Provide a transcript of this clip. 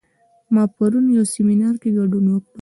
ما پرون یو سیمینار کې ګډون وکړ